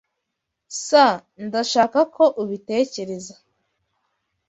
S Ndashaka ko ubitekereza.